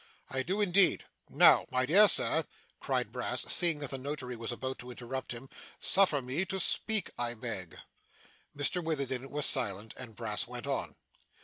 I do indeed. Now, my dear Sir,' cried Brass, seeing that the Notary was about to interrupt him, 'suffer me to speak, I beg.' Mr Witherden was silent, and Brass went on.